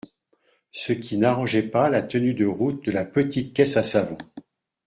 ce qui n’arrangeait pas la tenue de route de la petite caisse à savon.